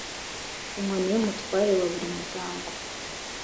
inkoni y umutware wa buri muryango